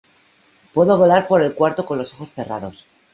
Puedo volar por el cuarto con los ojos cerrados.